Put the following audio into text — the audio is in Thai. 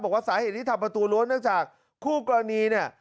บอกว่าสาเหตุที่ทำประตูรั้วเนื่องจากคู่กรณีเนี่ย